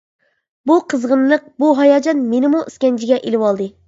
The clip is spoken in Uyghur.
بۇ قىزغىنلىق، بۇ ھاياجان مېنىمۇ ئىسكەنجىگە ئېلىۋالدى.